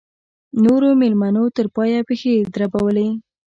نورو مېلمنو تر پایه پښې دربولې.